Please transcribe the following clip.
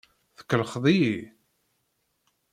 Tkellxeḍ-iyi?